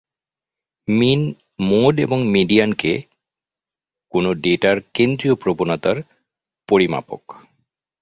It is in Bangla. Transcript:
মিন, মোড এবং মিডিয়ানকে কোন ডেটার কেন্দ্রীয় প্রবনতার পরিমাপক।